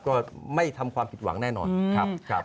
ก็ไม่ทำความผิดหวังแน่นอนครับ